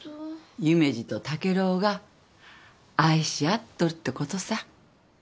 夢二と竹郎が愛し合っとるってことさ。